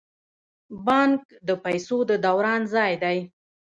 بانک د پیسو د دوران ځای دی